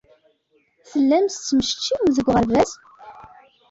Tellam tettmecčiwem deg uɣerbaz?